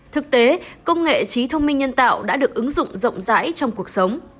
thực tế công nghệ trí thông minh nhân tạo đã được ứng dụng rộng rãi trong cuộc sống